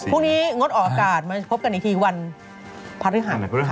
พรุ่งนี้งดออกอากาศมาพบกันอีกทีวันพฤหัส